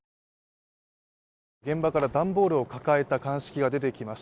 現場から段ボールを抱えた鑑識が出てきます。